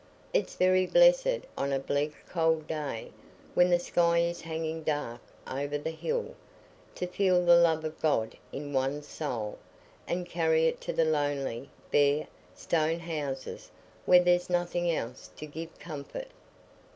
It's very blessed on a bleak cold day, when the sky is hanging dark over the hill, to feel the love of God in one's soul, and carry it to the lonely, bare, stone houses, where there's nothing else to give comfort."